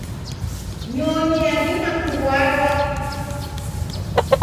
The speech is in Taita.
Nyonyi yadima kuwadwa